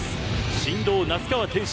神童・那須川天心